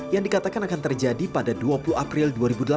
yang dikatakan akan terjadi pada dua puluh april dua ribu delapan belas